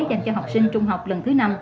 dành cho học sinh trung học lần thứ năm